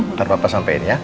nanti papa sampein ya